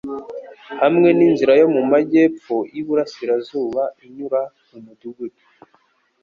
hamwe n'inzira yo mu majyepfo y'iburengerazuba inyura mu mudugudu .